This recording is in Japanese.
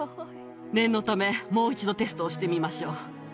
念のため、もう一度テストをしてみましょう。